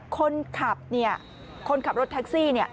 คนขับเนี่ยคนขับรถแท็กซี่เนี่ย